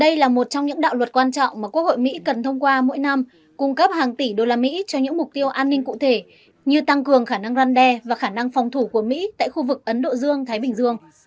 đây là một trong những đạo luật quan trọng mà quốc hội mỹ cần thông qua mỗi năm cung cấp hàng tỷ đô la mỹ cho những mục tiêu an ninh cụ thể như tăng cường khả năng răn đe và khả năng phòng thủ của mỹ tại khu vực ấn độ dương thái bình dương